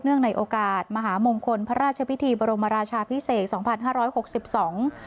ในโอกาสมหามงคลพระราชพิธีบรมราชาพิเศษสองพันห้าร้อยหกสิบสอง